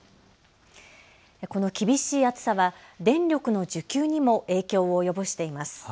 この厳しい暑さは電力の需給にも影響を及ぼしています。